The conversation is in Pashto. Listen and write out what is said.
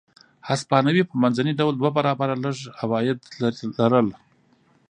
هسپانوي په منځني ډول دوه برابره لږ عواید لرل.